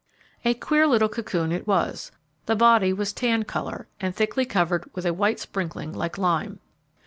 A queer little cocoon it was. The body was tan colour, and thickly covered with a white sprinkling like lime.